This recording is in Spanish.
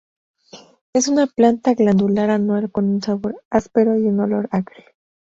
Es una planta glandular anual con un sabor áspero y un olor acre.